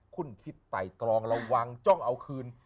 คุณคิดไต่ตรองระวังจ้องเอาคืน